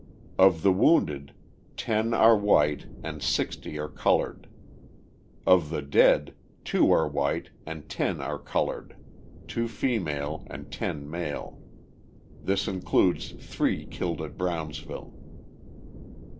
Of the wounded, ten are white and sixty are coloured. Of the dead, two are white and ten are coloured; two female, and ten male. This includes three killed at Brownsville.